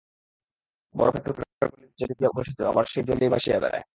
বরফের টুকরাগুলি হ্রদের জল দিয়াই গঠিত, আবার সেই জলেই ভাসিয়া বেড়ায়।